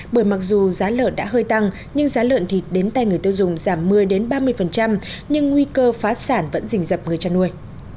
bởi mặc dù giá lợn đã hơi tăng nhưng giá lợn thịt đến tay người tiêu dùng giảm một mươi ba mươi nhưng nguy cơ phá sản vẫn dình dập người chăn nuôi